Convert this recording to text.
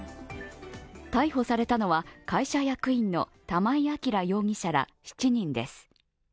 逮捕されのは、会社役員の玉井暁容疑者ら７人です。